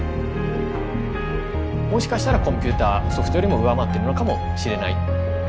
もしかしたらコンピューターソフトよりも上回ってるのかもしれない。